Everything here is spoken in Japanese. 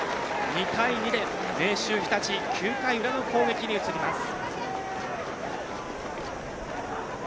２対２で明秀日立９回裏の攻撃に移ります。